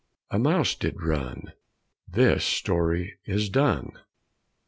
A mouse did run, This story is done.